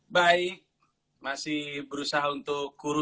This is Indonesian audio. baik masih berusaha untuk guru